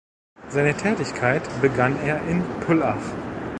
Seine Tätigkeit begann er in Pullach.